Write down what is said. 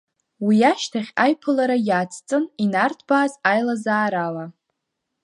Уи ашьҭахь аиԥылара иацҵан инарҭбааз аилазаарала.